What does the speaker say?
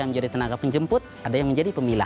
yang menjadi tenaga penjemput ada yang menjadi pemila